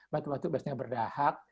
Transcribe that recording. batuk batuk biasanya berdahak